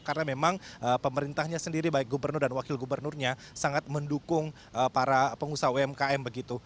karena memang pemerintahnya sendiri baik gubernur dan wakil gubernurnya sangat mendukung para pengusaha umkm begitu